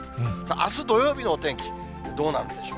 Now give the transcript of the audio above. あす土曜日のお天気、どうなるでしょう。